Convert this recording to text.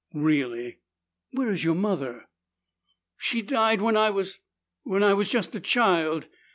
"Really. Where is your mother?" "She died when I was When I was just a child."